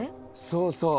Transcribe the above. そうそう。